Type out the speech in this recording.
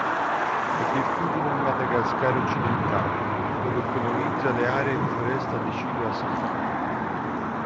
È diffuso nel Madagascar occidentale, dove colonizza le aree di foresta decidua secca.